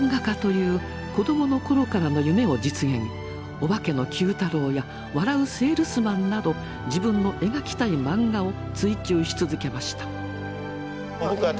「オバケのＱ太郎」や「笑ゥせぇるすまん」など自分の描きたい漫画を追求し続けました。